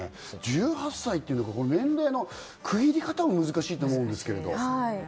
１８歳という年齢の区切り方も難しいと思うんだけど。